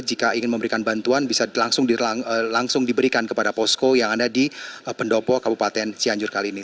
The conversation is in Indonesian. jika ingin memberikan bantuan bisa langsung diberikan kepada posko yang ada di pendopo kabupaten cianjur kali ini